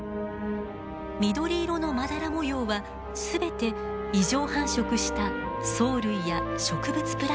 緑色のまだら模様は全て異常繁殖した藻類や植物プランクトンです。